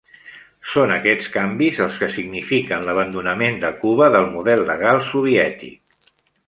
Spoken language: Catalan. Són aquests canvis els que signifiquen l'abandonament de Cuba del model legal soviètic.